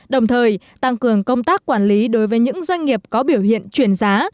đồng thời tăng cường công tác quản lý đối với những doanh nghiệp có biểu hiện chuyển giá